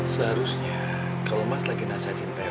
seharusnya kalau mas lagi nasehkan reva